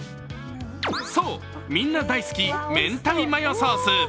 そう、みんな大好き、明太マヨソース。